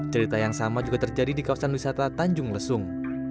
cerita yang sama juga terjadi di kawasan wisata tanjung lesung